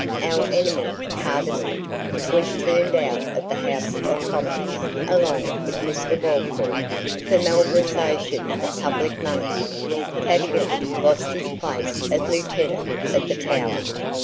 Our enemy Cardonnel was turned out of the House of Commons (along with Mr. Walpole) for malversation of public money. Cadogan lost his place of Lieutenant of the Tower.